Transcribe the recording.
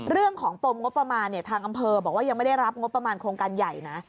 เรื่องของปมงบประมาณทางอำเภอบอกว่ายังไม่ได้รับงบประมาณโครงการใหญ่นะ